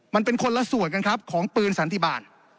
มันเป็นคนละส่วนกันครับของปืนสันติบาล